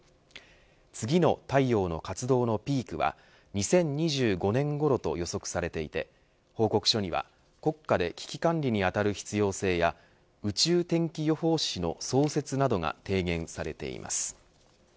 次の太陽の活動のピークは２０２５年ごろと予測されていて報告書には国家で危機管理にあたる必要性や宇宙天気予報士の創設などが提言されています。